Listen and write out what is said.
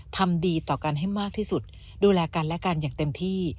ทำดีต่อกันให้มากที่สุดดูแลกันและกันอย่างเต็มที่